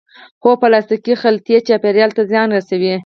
هو، پلاستیکی خلطی چاپیریال ته زیان رسوی